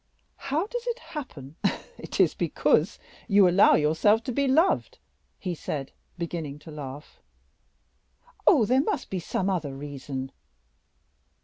How does it happen " "It is because you allow yourself to be loved," he said, beginning to laugh. "Oh! there must be some other reason."